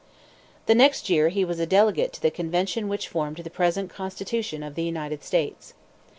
The next year he was a delegate to the convention which formed the present Constitution of the United States.